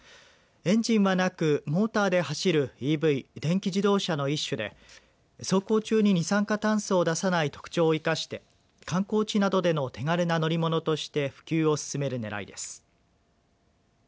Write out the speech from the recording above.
エンジンはなくモーターで走るＥＶ、電気自動車の一種で走行中に二酸化炭素を出さない特徴を生かして観光地などでの手軽な乗り物として普及を進めるねらいです。